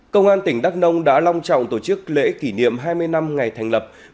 công an tỉnh đắk nông đã long trọng tổ chức lễ kỷ niệm hai mươi năm ngày thành lập